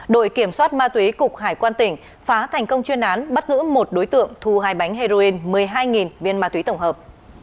đội kiểm soát ma túy cục hải quan tỉnh phá thành công chuyên án bắt giữ một đối tượng thu hai bánh heroin một mươi hai viên ma túy tổng hợp